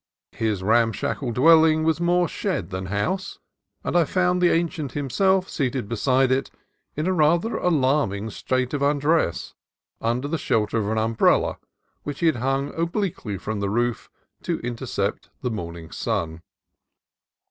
His ramshackle dwelling was more shed than house, and I found the ancient himself seated beside it, in a rather alarming state of undress, under the shelter of an umbrella which he had hung obliquely from the roof to intercept the morning sun.